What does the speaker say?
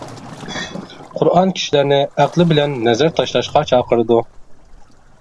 قۇرئان كىشىلەرنى ئەقلى بىلەن نەزەر تاشلاشقا چاقىرىدۇ.